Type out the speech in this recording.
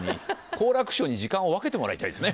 好楽師匠に時間を分けてもらいたいですね。